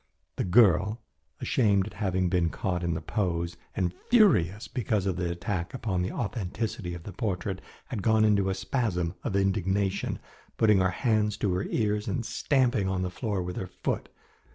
The girl, ashamed at having been caught in the pose, and furious because of the attack upon the authenticity of the portrait, had gone into a spasm of indignation, putting her hands to her ears and stamping on the floor with her foot.